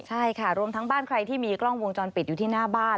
ใช่ค่ะรวมทั้งบ้านใครที่มีกล้องวงจรปิดอยู่ที่หน้าบ้าน